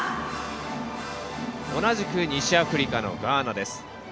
同じく西アフリカのガーナです。